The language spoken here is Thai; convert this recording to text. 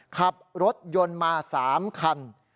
ขับรถยนต์มา๓คัน